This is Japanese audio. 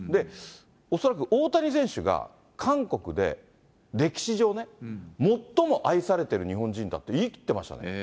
恐らく大谷選手が韓国で歴史上ね、最も愛されてる日本人だって言いきってましたね。